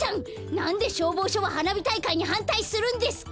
なんでしょうぼうしょははなびたいかいにはんたいするんですか。